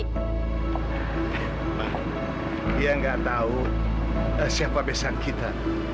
heeh emang dia gak tau siapa besang kita